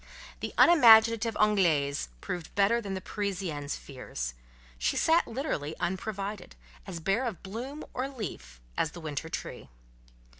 The unimaginative "Anglaise" proved better than the Parisienne's fears: she sat literally unprovided, as bare of bloom or leaf as the winter tree.